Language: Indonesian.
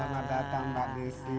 selamat datang pak gizi